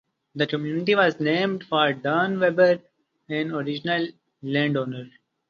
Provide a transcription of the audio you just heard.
The community was named for Dan Webber, an original landowner.